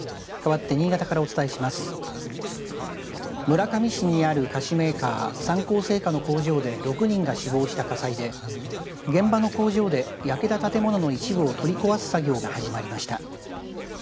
村上市にある菓子メーカー、三幸製菓の工場で６人が死亡した火災で現場の工場で焼けた建物の一部を取り壊す作業が始まりました。